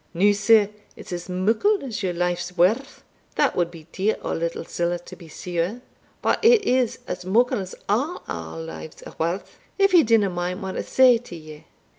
"Now, sir, it's as muckle as your life's worth that wad be dear o' little siller, to be sure but it is as muckle as a' our lives are worth, if ye dinna mind what I sae to ye.